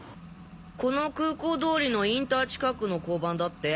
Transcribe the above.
この空港通りのインター近くの交番だって。